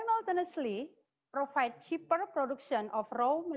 jadi pandemi itu sudah mencapai sektor informasi